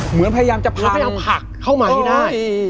เหมือนพยายามจะพักเข้ามาที่ได้